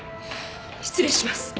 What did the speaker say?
失礼します。